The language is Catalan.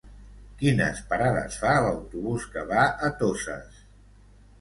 Quines parades fa l'autobús que va a Toses?